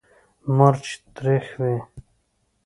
مرچ تریخ وي.